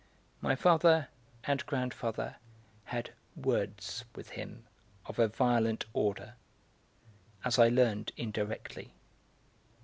My father and grandfather had 'words' with him of a violent order; as I learned indirectly.